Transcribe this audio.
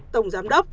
tổng giám đốc